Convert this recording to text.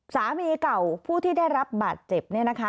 สามีเก่าผู้ที่ได้รับบาดเจ็บเนี่ยนะคะ